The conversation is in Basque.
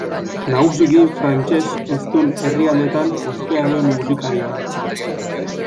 Nagusiki frantses hiztun herrialdeetan ospea duen musikaria da.